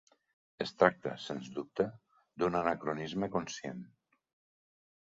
Es tracta, sens dubte, d'un anacronisme conscient.